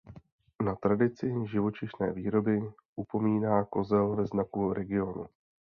Na tradici živočišné výroby upomíná kozel ve znaku regionu.